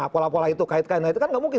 pola pola itu kait kaitan itu kan nggak mungkin